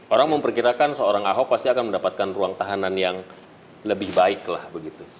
orang memperkirakan seorang ahok pasti akan mendapatkan ruang tahanan yang lebih baik lah begitu